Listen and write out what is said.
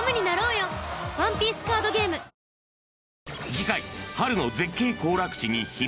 ［次回］